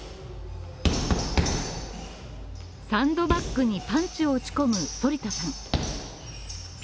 サンドバッグにパンチを打ち込む反田さん。